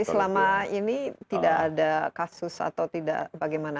jadi selama ini tidak ada kasus atau tidak bagaimana